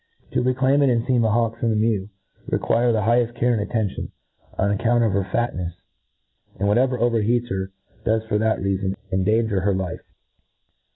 To reclaim and enfeam a hawk from the mew ' require the higheft care and attention, on account of her fatncfs j and whatever overheats her does, fox that reafon, endanger her life.